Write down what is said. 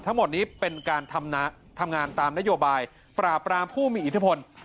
ทั้งหมดนี้เป็นการทำงานตามนโยบายปราบรามผู้มีอิทธิพล